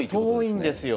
遠いんですよ。